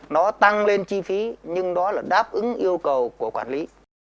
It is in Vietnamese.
nó tăng lên chi phí nhưng đó là đáp ứng yêu cầu của quản lý